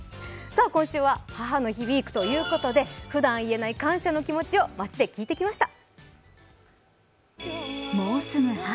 今週は母の日ウイークということで、ふだん言えない感謝の気持ちを街で聞いてきました。